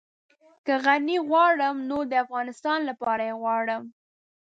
که غني غواړم نو د افغانستان لپاره يې غواړم.